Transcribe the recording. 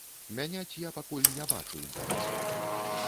Мяняць я пакуль не бачу інтарэсу.